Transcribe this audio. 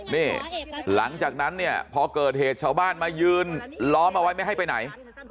นี่หลังจากนั้นเนี่ยพอเกิดเหตุชาวบ้านมายืนล้อมเอาไว้ไม่ให้ไปไหน